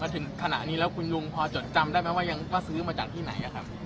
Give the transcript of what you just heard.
ถึงขณะนี้แล้วคุณลุงพอจดจำได้ไหมว่ายังว่าซื้อมาจากที่ไหนครับ